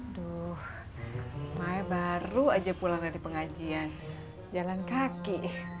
aduh maya baru aja pulang dari pengajian jalan kaki